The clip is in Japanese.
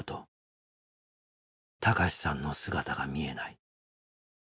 孝さんの姿が見えない。